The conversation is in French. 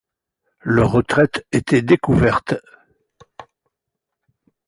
Leur retraite était découverte